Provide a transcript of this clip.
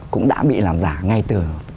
cũng đã bị làm giả ngay từ